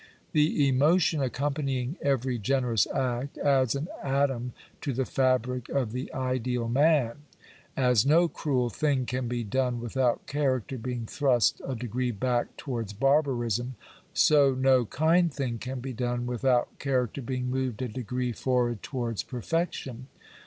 The emotion accompanying I every generous act adds an atom to the fabric of the ideal man. As no cruel thing can be done without character being thrust a degree back towards barbarism, so no kind thing can be done Digitized by VjOOQIC POOB LAWS. 319 without character being moved a degree forward towards perfec tion.